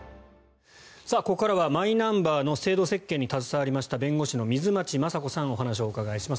ここからはマイナンバーの制度設計に携わりました弁護士の水町雅子さんにお話をお伺いします。